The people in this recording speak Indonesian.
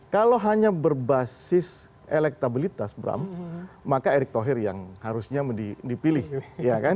kalau hanya berbasis elektabilitas bram maka erick thohir yang harusnya dipilih ya kan